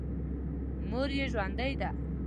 مور یې ژوندۍ ده.